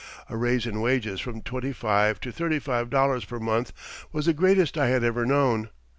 A raise in wages from twenty five to thirty five dollars per month was the greatest I had ever known.